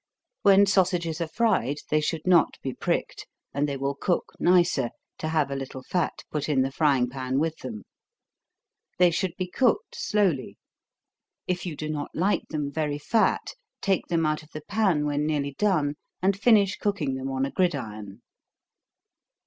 When sausages are fried, they should not be pricked, and they will cook nicer, to have a little fat put in the frying pan with them. They should be cooked slowly. If you do not like them very fat, take them out of the pan when nearly done, and finish cooking them on a gridiron.